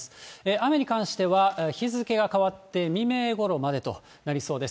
雨に関しては日付が変わって未明ごろまでとなりそうです。